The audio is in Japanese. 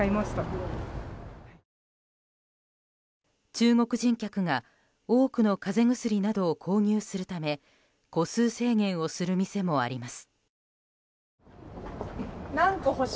中国人客が多くの風邪薬などを購入するため個数制限をする店もあります。